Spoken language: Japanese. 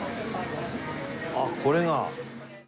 あっこれが。